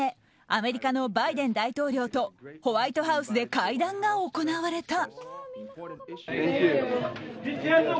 アメリカのバイデン大統領とホワイトハウスで会談が行われた。